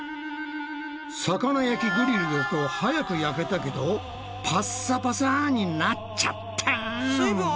魚焼きグリルだと早く焼けたけどパッサパサになっちゃったん！